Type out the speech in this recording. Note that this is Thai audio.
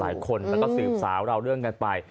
แล้วก็สืบสาวเล่าเรื่องกันไป